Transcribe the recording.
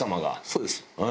そうです。